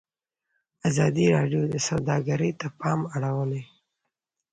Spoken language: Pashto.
ازادي راډیو د سوداګري ته پام اړولی.